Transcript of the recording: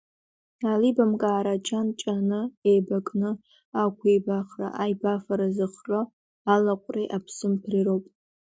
Аилибамкаара, ҷан-ҷаны еибакны ақәибахра, аибафара зыхҟьо, алаҟәреи аԥсымҭәреи роуп.